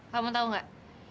kamu tahu nggak